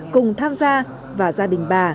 cùng tham gia và gia đình bà